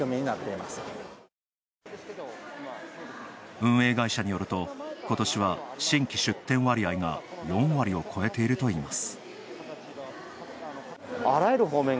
運営会社によると今年は新規出展割合が４割を超えているといいます。